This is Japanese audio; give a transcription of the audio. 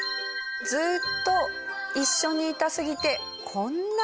ずっと一緒にいたすぎてこんな日常に。